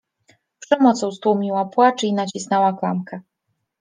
Przemocą stłumiła płacz i nacisnęła klamkę.